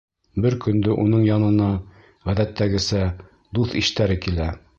Бер көндө уның янына, ғәҙәттәгесә, дуҫ-иштәре килә.